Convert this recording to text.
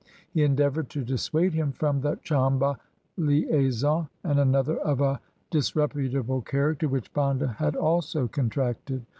He endeavoured to dissuade him from the Chamba liaison and another of a disreputable character which Banda had also contracted.